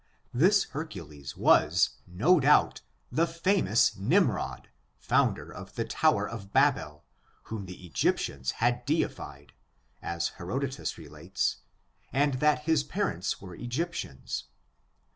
This Hercules was, no doubt, the famous Nimrod^ founder of the tower of Babel, whom the Egyptians had deified, as Herodotus relates, and that his parents were Egyptians.